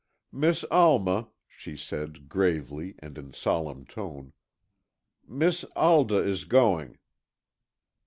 "Miss Alma," she said, gravely, and in solemn tone, "Miss Alda is going."